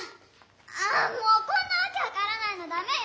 あもうこんなわけわからないのだめよ！